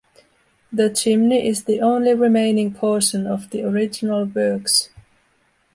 The chimney is the only remaining portion of the original Works.